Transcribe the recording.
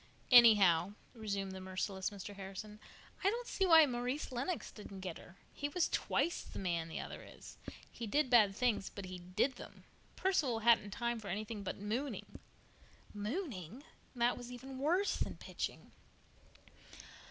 "Anyhow," resumed the merciless Mr. Harrison, "I don't see why Maurice Lennox didn't get her. He was twice the man the other is. He did bad things, but he did them. Perceval hadn't time for anything but mooning." "Mooning." That was even worse than "pitching!"